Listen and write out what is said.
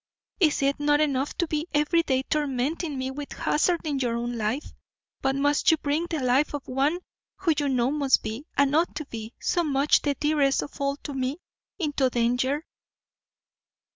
is it not enough to be every day tormenting me with hazarding your own life, but must you bring the life of one who you know must be, and ought to be, so much the dearest of all to me, into danger?